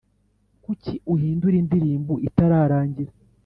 kucyi uhindura indirimbo itararangira